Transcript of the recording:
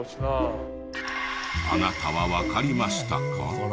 あなたはわかりましたか？